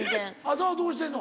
朝はどうしてんの？